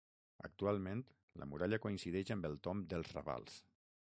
Actualment la muralla coincideix amb el tomb dels ravals.